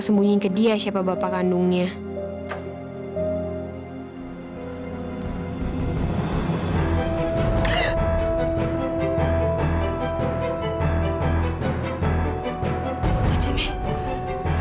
sembunyi ke dia siapa bapak kandungnya hai hai hai hai hai hai hai hai hai hai hai hai hai